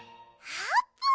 あーぷん！